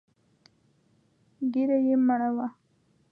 ږيره يې مړه وه.